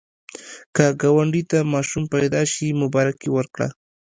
که ګاونډي ته ماشوم پیدا شي، مبارکي ورکړه